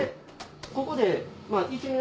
ここで。